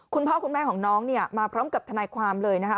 คุณพ่อคุณแม่ของน้องเนี่ยมาพร้อมกับทนายความเลยนะคะ